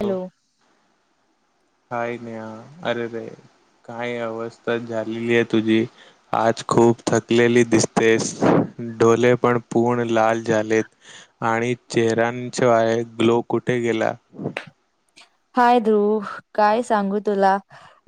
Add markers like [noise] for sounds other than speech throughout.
Hello hi Neha. अरे ररे काय अवस्था झालेली आहे तुझी, आज खूप थकलेली दिसतेस. डोले पण पूर्ण लाल झालेत आणि चेहर्यांच्याय ग्लो कुठे गेला? [inaudible] हाय ध्रुव. काय सांगू तुला.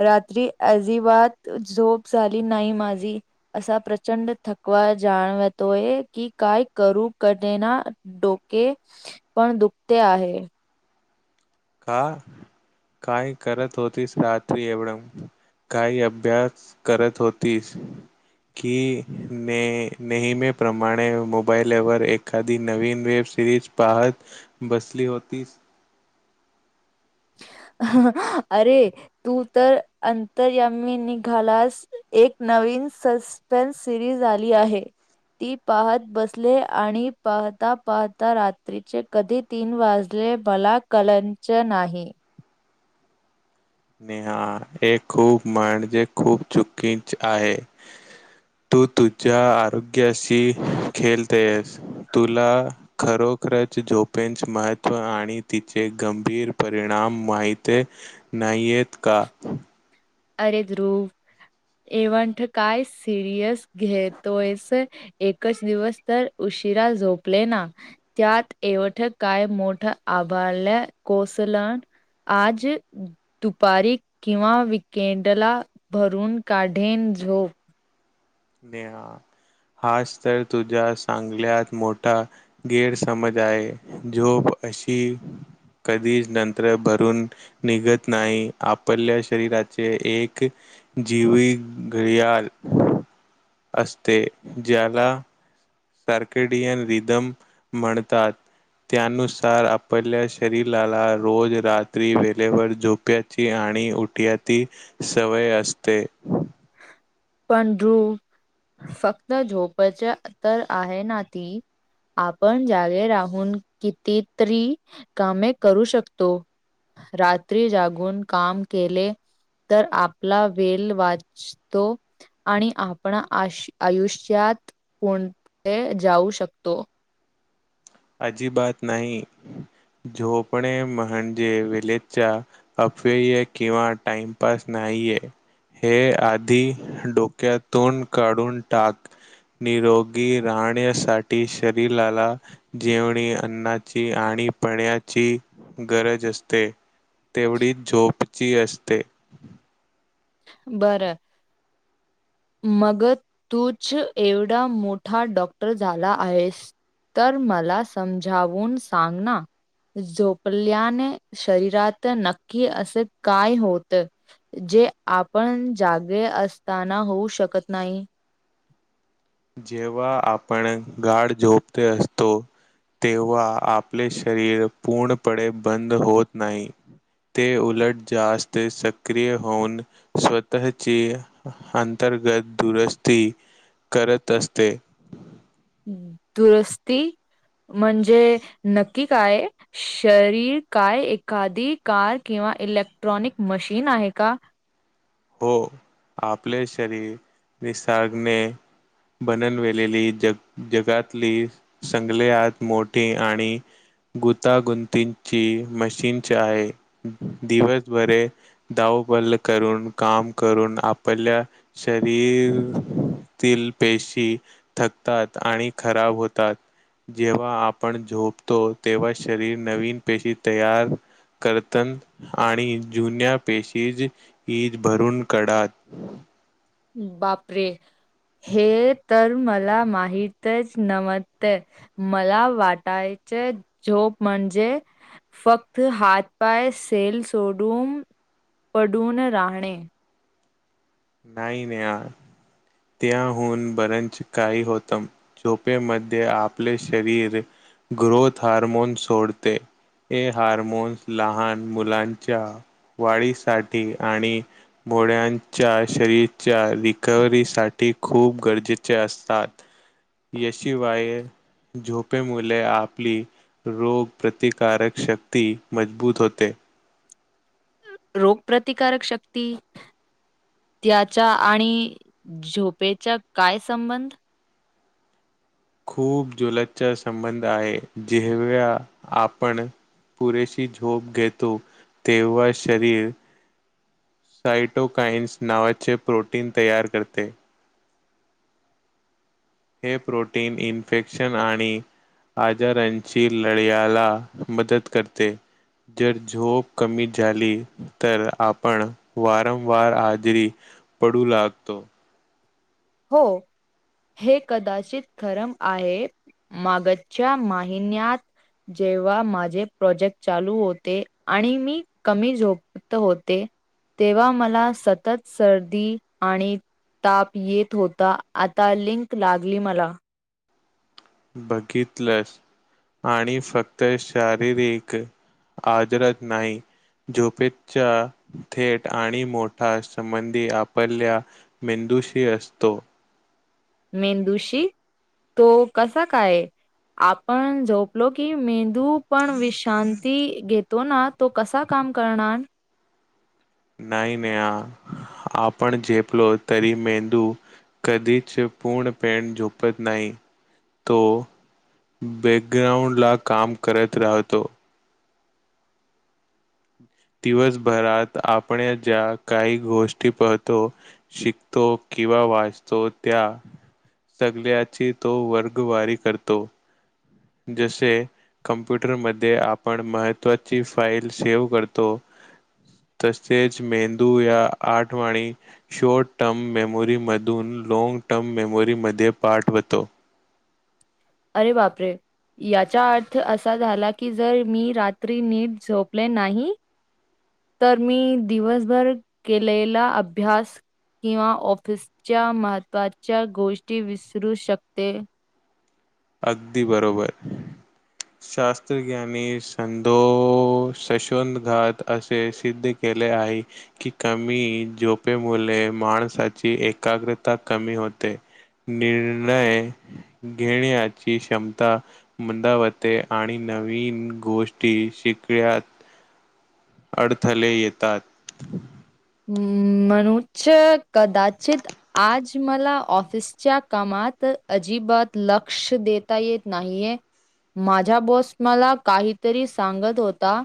रात्री अजिबात झोप झाली नाही माझी. असा प्रचंड थकवा जाणवतोय की काय करू क देना डोके पण दुखते आहे. का, काय करत होतीस रात्री एवढ? काही अभ्यास करत होतीस. की ने नेहमीप्रमाणे मोबाईलवर एखादी नवीन वेब सेरीज पाहत बसली होतीस. [inaudible] अरे तू तर अंतरयामी निघालास. एक नवीन वीण सस्पेन्स सिरीज आली आहे. ती पाहत बसले आणि पाहता पाहता रात्रीचे कधी तीन वाजले ले भला कलंच नाही. नेहा हे खूप म्हणजे खूप चुकीच आहे. तू तुझ्या आरोग्याशी खेळतेस. तुला खरोख खर झोपेचे महत्त्व आणि तिचे गंभीर परिणाम माहितय नाहीयत का? अरे ध्रुव एवंट काय सिरियस घेतोयस. एकच दिवस तर उ उशिरा झोपले ना. त्यात एवढ काय मोठ् आभारल्या कोस आज दुपारी किंवा केंडला भरून काढेण झोप. नेहा हाच तर तुझ्या चांगल्यात मोठा गैरसमज आहे. जो अशी कधीच नंतर भरून निघत नाही. आपल्या शरीराचे एक जीवी घडयाल असते. ज्याला सर्केडियन रिदम म्हणतात. त्यानुसार आपल्या शरीराला रोज रात्री वेळेवर झोप्याची आणि आणि उठया ती सवय असते. पण ध्रुव, फक्त झोपच्या तर आहे ना ती. आपण जागे राहून कितीतरी कामे करू शकतो. रात्री जागून काम केले तर आपला वेल वाचतो. आणि आपण आयुष्यात कोणठे जाऊ शकतो अजीबात नाही. झोपणे म्हणजे विलेचा अप्यय किंवा टाइमपास ना नाहीेय हे आधी डोक्यातून काढून टाक. निरोगी राहण्यासाठी शरीराला जेवणी अन्नाची आणि पण्याची गरज असते तेवढीच झोपची असते बरं ह मग तूच एवढा मोठा डॉक्टर झाला आहेस तर मला समजावून सांग ना झोपल्याने शरीरात नक्की असे काय होत जे आपण जागे असताना होऊ शकत नाही जेव्हा आपण गाड झोपते असतो तेव्हा आपले शरीर पूर्णपणे बंद होत नाही ते उलट जास्त सक्रिय होऊन स्वतःची अंतर गत दुरुस्ती करत असते दुरस्ती म्हणजे नक्की काय शरीर काय एखादी कार किंवा इलेक्ट्रॉनिक मशीन आहे का हो आपले शरीर निसर्गने बननवेेलेली जग जगातली संगलेत मोठी आणि गुतागुंतीची मशीन आहे दिवसभरे दाव बल करून काम करून आपल्या शरीर त पेशी थकतात आणि खराब होतात जेव्हा आपण झोपतो तेव्हा शरीर नवीन पेशी तयार करतन आणि जुन्या पेशीज ईद भरून काढात बापरे हे तर मला माहितच नम्हते मला वाटायच झोप म्हणजे फक्त हातपाय सेल सोडून पडून राहणे नाही नाही या त्याहून बरंच काही होतं झोपेमध्ये आपले शरीर ग्रोथ हारमोन सोडते हे हार्मोन्स लहान मुलांच्या वाडीसाठी आणि भोड्यां च्या शरीरच्या रिकवरी साठी खूप गरजेचे असतात याशिवाय झोपे मुले आपली रोग प्रतिकारक शक्ती मजबूत होते रोग प्र्रतिकारक शक्ती त्याचा आणि झोपेचा काय संबंध खूप जुलतचा संबंध आहे जेवव्हा आपण पुरेशी झोप घेतो तेव्हा शरीर सायटोकाइन्स नावाचे प्रोटीन तयार करते हे प्रोटीन इन्फेक्शन आणि आजारांची लढ्याला मदत करते जर झोप कमी झाली तर आपण वारंवार आजरी पडू लागतो हो हे कदाचित खरम आहे मागच्या महिन्यात जेव्हा माझे प्रोजेक्ट चालू होते आणि मी कमी झपत होते तेव्हा मला सतत सर्दी आणि ताप येत होता आता लिंक लागली मला बघितलंस आणि फक्त शारीरिक. आजरच नाही. झोपेच्या थेट आणि मोठा संबंधी आपरल्या म दोषी असतो. मेंदुशी. तो कसा काय आपण झोपलो की मे तू पण विश्रांती घेतो ना तो कसा काम करणार. नाही नाही आपण झेपलो तरी मेंदू. कधीच पूर्ण पेट झोपत नाही तो. बॅकग्राउंड ला काम करत राहतो. दिवसभरात आपण ज्या काही गोष्टी पाहतो शिकतो किंवा वाचतो त्या सगळची तो वर्गवारी करतो. जसे कमप्युटरमध्ये आपण महत्वाची फाईल सेव्ह करतो तसेच मेंदू या आठवाणी शॉर्ट टर्म मेमोरी मधून लँग टर्म मेमोरीमध्ये पाठवतो. अरे बापरे. याचा अर्थ असा झाला की जर मी रात्री नीट झोपले नाही. तर मी दिवसभर केलेला अभ्यास. किंवा ऑफिसच्या महत्त्वाच्या गोष्टी विसरू शकते. अगदी बरोबर. शास्त्रज्ञानी सधो शशवत घात असे सिद्ध के केले आहे की कमी झोपे मुले माणसाची एकाग्रता कमी हो. होते निर्णय घेण्याया ची क्षमता मंदावते आणि नवीन गोष्टी शिकण्यात अडथले येतात. हम्म. म्हणु कदाचित आज मला ऑफिसच्या कामात अजिब बाात लक्ष देता येत नाहीय. माझ्या बॉस मला काहीतरी सांगत होता.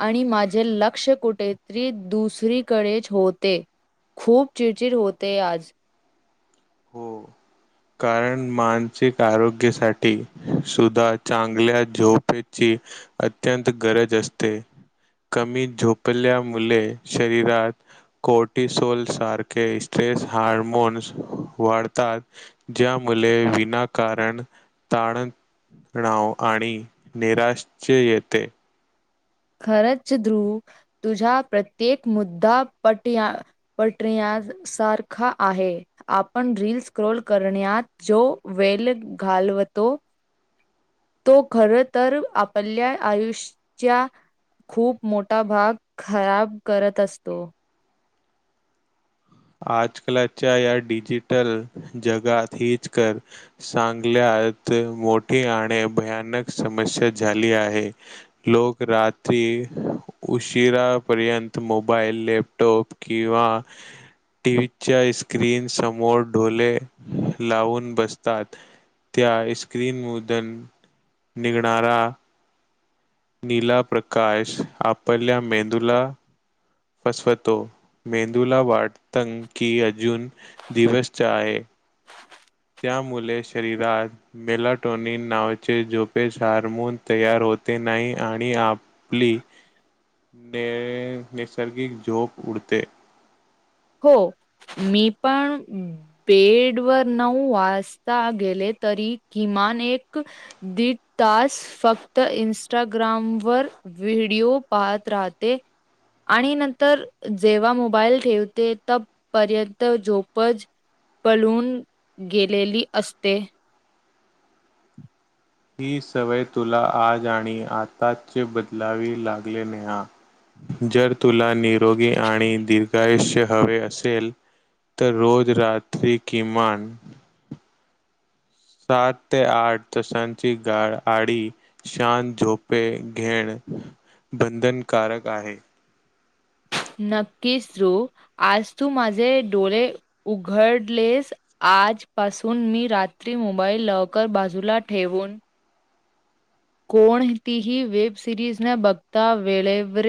आणि माझे लक्ष कुठेतरी दुसरी. कडेच होते खूप चिडचिड होते आज हो. कारण मानसिक आरोग्यासाठी सुद्धा चांगल्या झोपे ची अत्यंत गरज असते. कमी झोपल्यामुळे शरीरात कोटिसोल सारखे तेस हारमोन्स वाढतात ज्या मुले विनाकारण ताण नाव आणि निराश येते. खरंच ध्रुव तुझ्या प्रत्येक मुद्दा पट सारखा आहे आपण ड्रील स्क्रॉोल करण्यात जो वेल घाात. अलवतो. ह [inaudible] तो खर तर आपल्या आयुष्याच्या खूप मोठा भाग खराब करत असतो. आजकालच्या या डिजिटल जगात हीच कर चांगल्या मोठी आणि भयानक समस्या झाली आहे लोक रात्री उशिरा पर्यंत मोबाईल लॅपटॉप किंवा टीव्हीच्या स्क्रीन समोर ढोले लावून बसतात त्या स्क्रीनमदन निघणारा नीला प्रकाश आपल्याल्या मेंदुला फसवतो मेंदूला वाटत की अजून दिवसच आहे त्यामुळे शरीरात मेलाटोनिन नावाचे झोपेस हार्मोन तयार होत होते नाही आणि आपली न नैसर्गिक झोप उडते हो मी पण बेड वर नऊ वाजता गेले तरी किमान किमान एक दीड तास फक्त इंस्टाग्रामवर व्हिडिओ पाहत राहते आणि नंतर जेव्हा मोबाईल ठेवते ते त पर्यंत झोपच पळून गेलेली असते ही सवय तुला आज आणि आताच बदलावी लागले नेहा जर तुला निरोगी आणि दीर्घायुष्य हवे असेल तर रोज रात्री किमान सात ते आठ तासांची गाढ आडी शांत झोपे घेण बंधनकारक आहे नक्कीच रु आज तू माझे डोळे उघडलेस आजपासून मी रात्री मोबाईल लवकर बाजूला ठेवून कोणतीही वेबसिरीज न बघता वेळेवर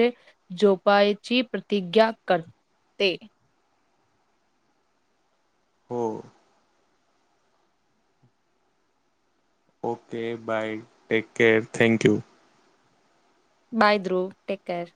झोपायची प्रतिज्ञा करते हो okay bye take care thank you bye bro take care